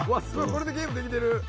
これでゲームできてる。